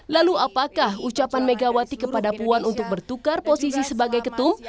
lalu apakah ucapan megawati kepada puan untuk bertukar posisi sebagai ketum